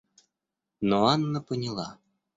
Но Анна поняла.